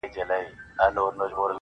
پر هوسۍ سترګو چي رنګ د کجل راسي!